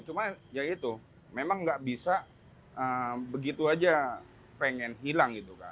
cuma ya itu memang nggak bisa begitu aja pengen hilang gitu kan